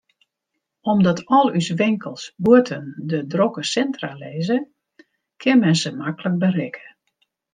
Omdat al ús winkels bûten de drokke sintra lizze, kin men se maklik berikke.